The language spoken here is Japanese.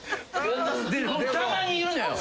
たまにいるのよ。